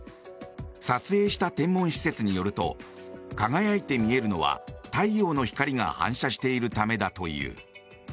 撮影した天文施設によると輝いて見えるのは太陽の光が反射しているためだという。